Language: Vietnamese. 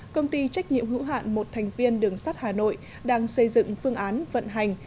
công ty trách nhiệm hữu hạn một thành viên đường sắt hà nội đang xây dựng phương án vận hành